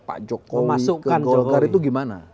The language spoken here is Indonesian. pak jokowi ke golgari itu gimana